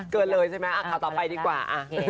เกินเลยใช่ไหมข่าวต่อไปดีกว่า